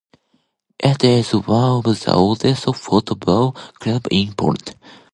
It is one of the oldest football clubs in Poland.